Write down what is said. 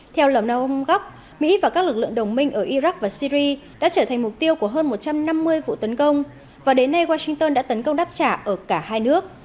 theo lòng naong góc mỹ và các lực lượng đồng minh ở iraq và syri đã trở thành mục tiêu của hơn một trăm năm mươi vụ tấn công và đến nay washington đã tấn công đáp trả ở cả hai nước